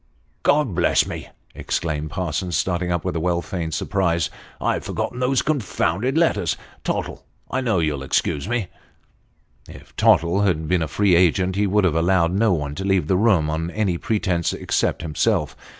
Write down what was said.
" God bless me !" exclaimed Parsons, starting up with well feigned surprise, "I've forgotten those confounded letters. Tottle, I know you'll excuse me." If Tottle had been a free agent, he would have allowed no one to leave the room on any pretence, except himself.